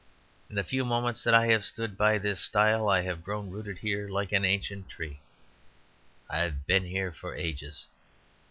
In the few moments that I have stood by this stile, I have grown rooted here like an ancient tree; I have been here for ages.